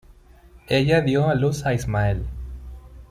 Ella dio a luz a Ismael.